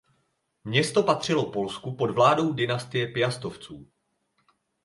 Město patřilo Polsku pod vládou dynastie Piastovců.